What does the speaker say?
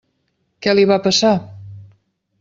Què li va passar?